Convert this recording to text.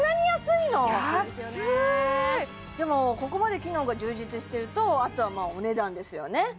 安いでもここまで機能が充実してるとあとはまあお値段ですよね